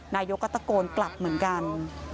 นายกก็ตะโกนกลับเหมือนกัน